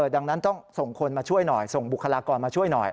ดังนั้นต้องส่งคนมาช่วยหน่อยส่งบุคลากรมาช่วยหน่อย